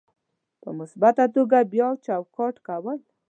په مثبته توګه بیا چوکاټ کول: